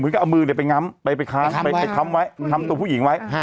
เหมือนก็เอามือเนี้ยไปงำไปไปค้างไปค้ำไว้ค้ำตัวผู้หญิงไว้